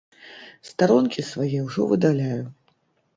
Старонкі свае ўжо выдаляю.